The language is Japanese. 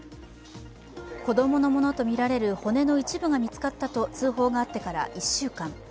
子供のものとみられる骨の一部が見つかったと通報があってから１週間。